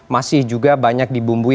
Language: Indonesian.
masih juga banyak dibumbui